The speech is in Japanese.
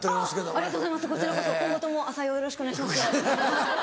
こちらこそ今後とも浅井をお願いします。